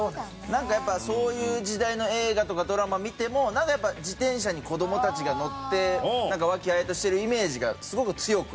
なんかやっぱそういう時代の映画とかドラマ見てもなんかやっぱ自転車に子供たちが乗って和気藹々としているイメージがすごく強くある。